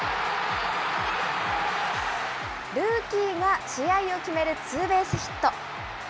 ルーキーが試合を決めるツーベースヒット。